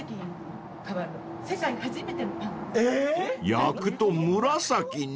［焼くと紫に？］